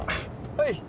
はい。